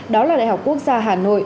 đó là đại học quốc gia hà nội